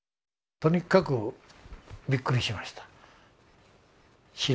とにかくびっくりしました。